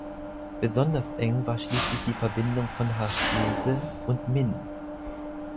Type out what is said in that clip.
Besonders eng war schließlich die Verbindung von Harsiese und Min.